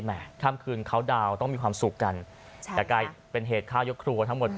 ข้ามคืนเขาดาวนต้องมีความสุขกันแต่กลายเป็นเหตุฆ่ายกครัวทั้งหมด